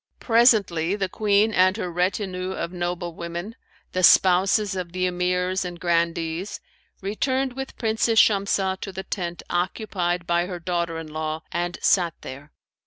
Presently the Queen and her retinue of noble women, the spouses of the Emirs and Grandees, returned with Princess Shamsah to the tent occupied by her daughter in law and sat there.